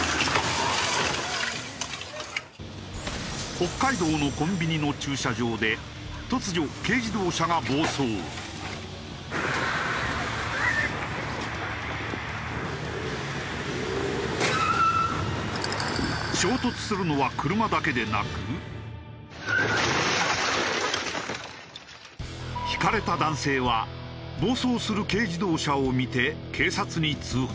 北海道のコンビニの駐車場で突如ひかれた男性は暴走する軽自動車を見て警察に通報。